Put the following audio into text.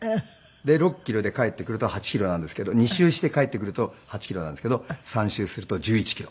で６キロで帰ってくると８キロなんですけど２周して帰ってくると８キロなんですけど３周すると１１キロ。